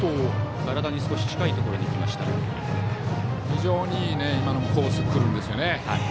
非常にいいコースに来るんですよね。